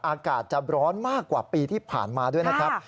อากาศจะร้อนมากกว่าปีที่ผ่านมาด้วยนะครับ